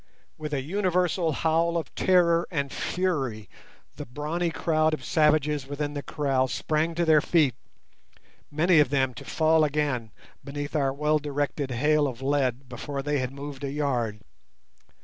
With an universal howl of terror and fury the brawny crowd of savages within the kraal sprang to their feet, many of them to fall again beneath our well directed hail of lead before they had moved a yard.